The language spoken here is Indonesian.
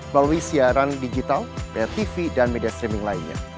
melalui siaran digital tv dan media streaming lainnya